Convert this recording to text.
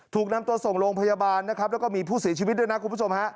ถูกนำตัวส่งโรงพยาบาลนะครับแล้วก็มีผู้เสียชีวิตด้วยนะคุณผู้ชมฮะ